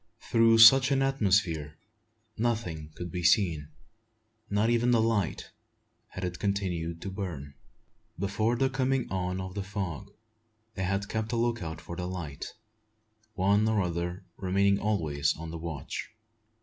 Through such an atmosphere nothing could be seen, not even the light, had it continued to burn. Before the coming on of the fog, they had kept a look out for the light, one or other remaining always on the watch.